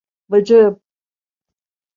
Bacağım…